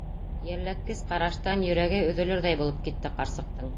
Йәлләткес ҡараштан йөрәге өҙөлөрҙәй булып китте ҡарсыҡтың.